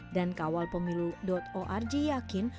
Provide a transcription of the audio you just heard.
dan kawalpemilu org yakin